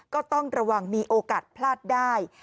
ก็ต้องระวังมีโอกาสพลาดได้